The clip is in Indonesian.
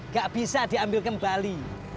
gak bisa diambil kembali